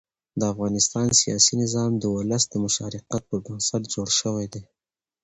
د افغانستان سیاسي نظام د ولس د مشارکت پر بنسټ جوړ شوی دی